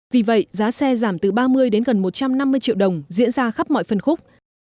vì vậy giá xe giảm từ ba mươi đến gần một trăm năm mươi triệu đồng diễn ra khắp mọi phân khúc